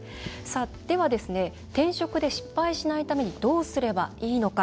では、転職で失敗しないためにどうすればいいのか。